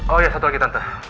oh iya satu lagi tante